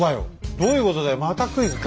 どういうことだよまたクイズか！